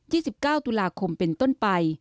๑๙ตุลาคมเป็นต้นไป